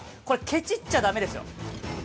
これけちっちゃだめですよ。